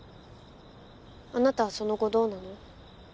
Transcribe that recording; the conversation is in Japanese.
あなたはその後どうなの？